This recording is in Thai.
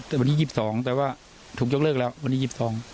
แต่วันที่๒๒แต่ว่าถูกยกเลิกแล้ววันที่๒๒